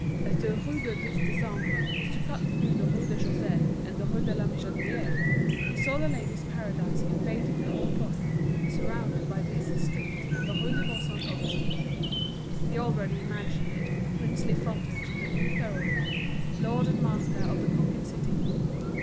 As the Rue du Dix Décembre was to cut through the Rue de Choiseul and the Rue de la Michodière, he saw The Ladies' Paradise invading the whole block, surrounded by these streets and the Rue Neuve Saint Augustin; he already imagined it with a princely frontage in the new thoroughfare, lord and master of the conquered city.